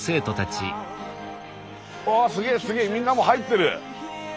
うわっすげえすげえみんなも入ってる。